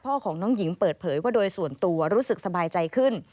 พ่อของน้องหญิงเปิดเผยว่าโดยส่วนตัวรู้สึกสบายใจขึ้น